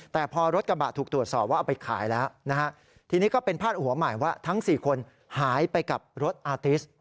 แต่พอรถกระบะถูกตรวจสอบว่าเอาไปขายแล้วนะฮะทีนี้ก็เป็นพาดหัวใหม่ว่าทั้ง๔คนหายไปกับรถอาติส